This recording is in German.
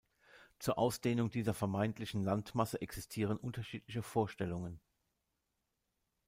Zur Ausdehnung dieser vermeintlichen Landmasse existieren unterschiedliche Vorstellungen.